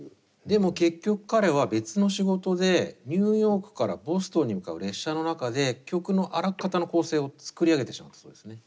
でも結局彼は別の仕事でニューヨークからボストンに向かう列車の中で曲のあらかたの構成を作り上げてしまったそうですね。